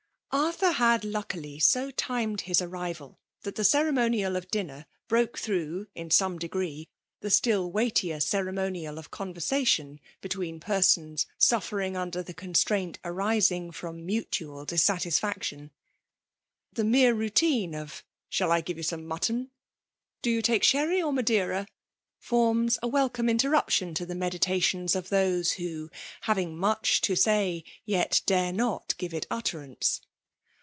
Arthur had^ lucldly> bo timed his arrival that the cerwioiual of dinner broke thcough>[in some degree^ the still weightier ceremonial of conversation between persons suffering under the constraint arising from mutual dis satisfaction. The mere routine of '' Shall] I give you some mutton ?— ^Do you taka sherry or madeira?*' forms a welcome interruption to the meditationa of those who, having much to say, yet dare not give it utterance.